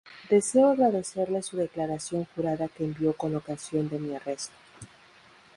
Deseo agradecerle su declaración jurada que envió con ocasión de mi arresto.